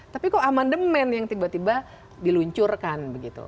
tapi kok amandemen yang tiba tiba diluncurkan begitu